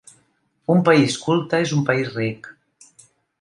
Un país culte és un país ric.